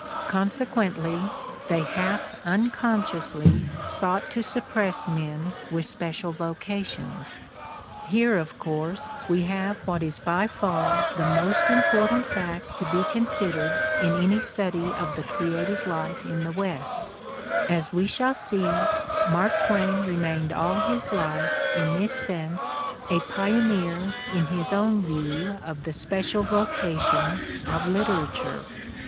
Consequently, they half The Candidate for Life 45 unconsciously sought to suppress men with special voca tions." Here, of course, we have what is by far the most important fact to be considered in any study of the creative life in the "West; as we shall see, Mark Twain remained all his life in this sense a pioneer in his own view of the "special vocation" of literature.